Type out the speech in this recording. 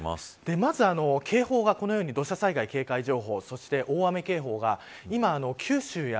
まず警報がこのように土砂災害警報情報そして大雨洪水警報が今、九州や